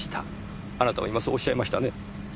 あなたは今そうおっしゃいましたね？